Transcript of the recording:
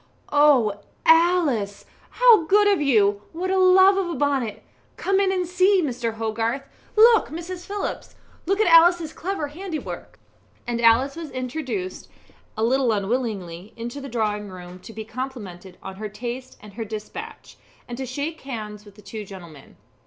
"Oh, Alice, how good of you! What a love of a bonnet! Come in and see Mr. Hogarth. Look, Mrs. Phillips look at Alice's clever handiwork." And Alice was introduced a little unwillingly into the drawing room to be complimented on her taste and her despatch, and to shake hands with the two gentlemen.